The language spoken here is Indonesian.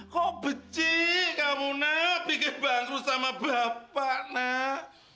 kok beci kamu nak bikin basu sama bapak nak